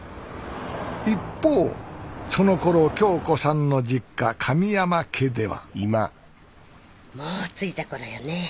一方そのころ響子さんの実家神山家ではもう着いた頃よね。